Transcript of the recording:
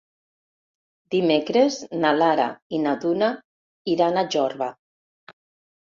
Dimecres na Lara i na Duna iran a Jorba.